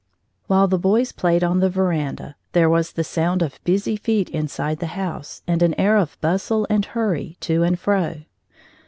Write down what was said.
While the boys played on the veranda, there was the sound of busy feet inside the house, and an air of bustle and hurrying to and fro.